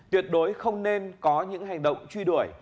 tuyệt đối không nên có những hành động truy đuổi